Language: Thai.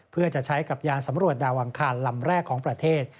เพื่อจะใช้กับยานสำรวจดาวอังคารลำแรกของประเทศ